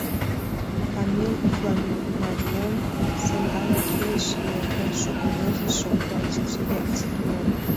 Камил Фламарион — Сандалык илыш нерген шуко возышо французский астроном.